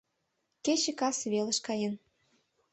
Кече кас велыш каен